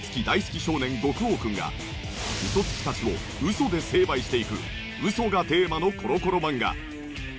少年ゴクオーくんがウソツキたちをウソで成敗していくウソがテーマのコロコロ漫画。